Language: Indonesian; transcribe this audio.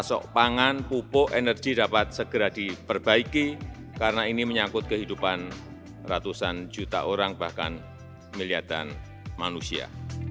jokowi juga mendiskusikan bahwa indonesia tidak memiliki kepentingan apapun kepentingan ratusan juta orang bahkan miliardan manusia